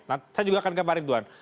saya juga akan kemarin tuan